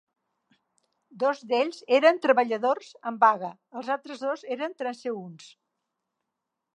Dos d'ells eren treballadors en vaga; els altres dos eren transeünts.